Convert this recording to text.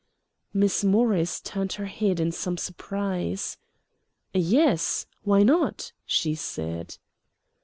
Miss Morris turned her head in some surprise. "Yes why not?" she said.